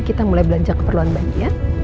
kita mulai belanja keperluan bayi ya